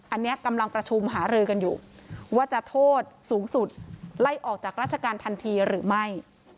อันนี้กำลังประชุมหารือกันอยู่ว่าจะโทษสูงสุดไล่ออกจากราชการทันทีหรือไม่